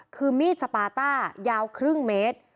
คือมีดสปาต้ายาวครึ่งเมตร